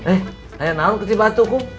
eh hanya nang kecibatu kum